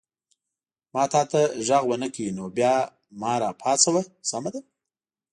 ما تا ته غږ ونه کړ نو بیا ما را پاڅوه، سمه ده؟